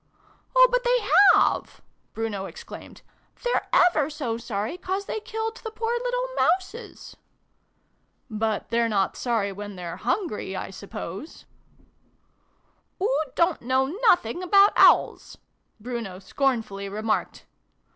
" Oh, but they have !" Bruno exclaimed. "They're ever so sorry, 'cause they killed the poor little Mouses !"" But they're not sorry when they're hungry, I suppose ?" xiv] BRUNO'S PICNIC. 215 " Oo don't know nothing about Owls!" Bruno scornfully remarked.